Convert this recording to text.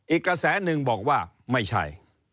อีกกระแสหนึ่งบอกว่าไม่ใช่